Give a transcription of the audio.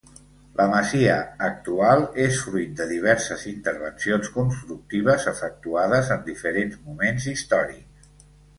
La masia actual és fruit de diverses intervencions constructives efectuades en diferents moments històrics.